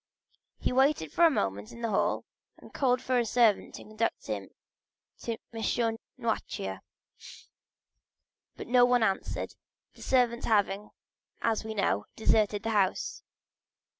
He waited for a moment in the hall and called for a servant to conduct him to M. Noirtier; but no one answered, the servants having, as we know, deserted the house.